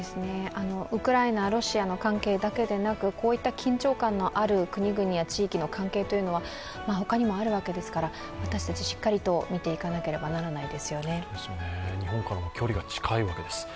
ウクライナ、ロシアの関係だけではなく、こういった緊張感のある国々や地域の関係というのは他にもあるわけですが私たち、しっかりと見ていかなければならないわけですよね。